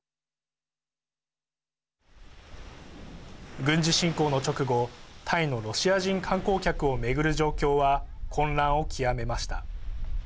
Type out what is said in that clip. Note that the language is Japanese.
軍事侵攻の直後タイのロシア人観光客を巡る状況は混乱を極めました。